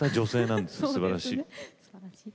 すばらしい。